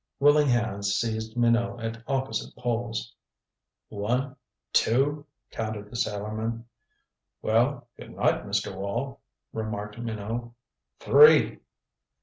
Willing hands seized Minot at opposite poles. "One two " counted the sailormen. "Well, good night, Mr. Wall," remarked Minot. "Three!"